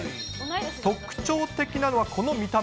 特徴的なのはこの見た目。